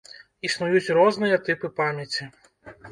Існуюць розныя тыпы памяці.